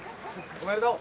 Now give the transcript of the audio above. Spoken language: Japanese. おめでとう！